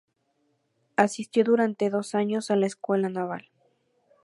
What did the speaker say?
Asistió durante dos años a la Escuela Naval.